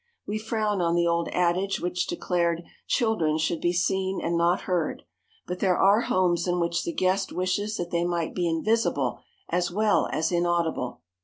We frown on the old adage which declared "children should be seen and not heard," but there are homes in which the guest wishes that they might be invisible as well as inaudible.